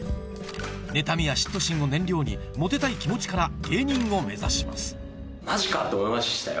妬みや嫉妬心を燃料にモテたい気持ちから芸人を目指します「マジか！」と思いましたよ